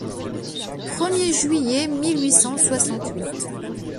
premier juillet mille huit cent soixante-huit.